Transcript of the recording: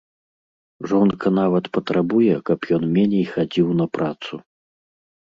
Жонка нават патрабуе, каб ён меней хадзіў на працу.